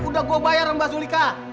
udah gua bayar mba zulika